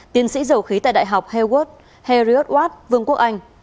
tiến sĩ dầu khí tại đại học harriot watt vương quốc anh